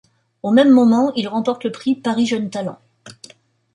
Au même moment, ils remportent le Prix Paris Jeunes Talents.